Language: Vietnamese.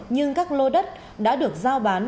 nhưng các lô đất đã được giao bán